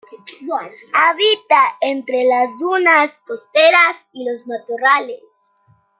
Habita entre las dunas costeras y los matorrales.